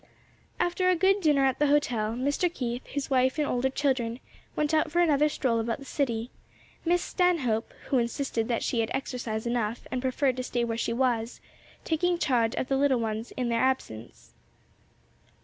After a good dinner at the hotel, Mr. Keith, his wife and older children, went out for another stroll about the city; Miss Stanhope, who insisted that she had had exercise enough, and preferred to stay where she was, taking charge of the little ones in their absence.